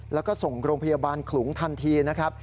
แล้วก็ส่งโรงพยาบาลขลุงทันทีนะครับ